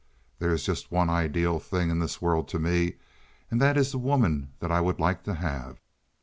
There is just one ideal thing in this world to me, and that is the woman that I would like to have."